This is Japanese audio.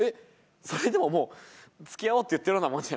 それでももう「付き合おう」って言ってるようなもんじゃ。